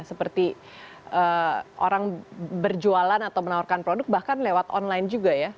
seperti orang berjualan atau menawarkan produk bahkan lewat online juga ya